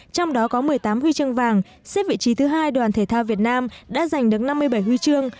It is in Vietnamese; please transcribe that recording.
trong đó có một mươi tám huy chương vàng xếp vị trí thứ hai đoàn thể thao việt nam đã giành được năm mươi bảy huy chương